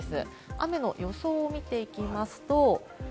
雨の予想を見ていきます。